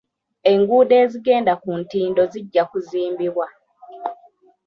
Enguudo ezigenda ku ntindo zijja kuzimbibwa.